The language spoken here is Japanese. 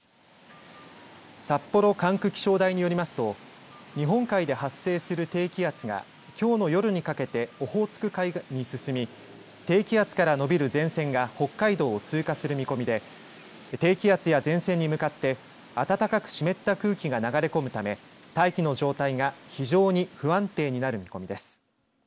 札幌管区気象台によりますと日本海で発生する低気圧がきょうの夜にかけてオホーツク海に進み低気圧からのびる前線が北海道を通過する見込みで低気圧や前線に向かって暖かく湿った空気が流れ込むため大気の状態が非常に不安定になる見込みです。